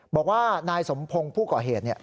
บอกว่านายสมพงศ์ผู้ก่อเหตุ